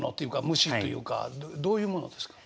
虫というかどういうものですか？